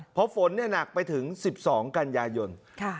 เพราะฝนหนักไปถึง๑๒กันยายน